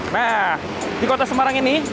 nah di kota semarang ini